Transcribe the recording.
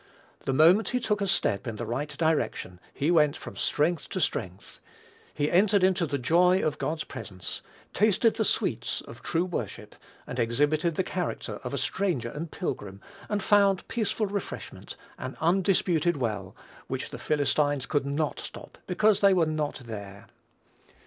The moment he took a step in the right direction, he went from strength to strength. He entered into the joy of God's presence, tasted the sweets of true worship, and exhibited the character of a stranger and pilgrim, and found peaceful refreshment, an undisputed well, which the Philistines could not stop because they were not there.